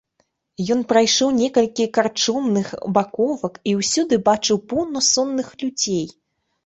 Ён прайшоў некалькі карчомных баковак і ўсюды бачыў поўна сонных людзей.